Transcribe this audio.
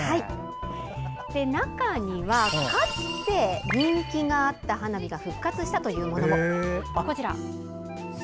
中には、かつて人気があった花火が復活したというものも。